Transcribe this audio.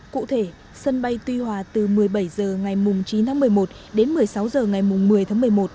cụ thể sân bay tuy hòa từ một mươi bảy h ngày chín tháng một mươi một đến một mươi sáu h ngày một mươi tháng một mươi một